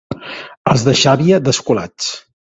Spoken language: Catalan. Els de Xàbia, desculats.